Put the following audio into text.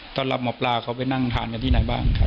ตอนรับหมอบราก็ไปนั่งทานกันที่ไหนบ้าง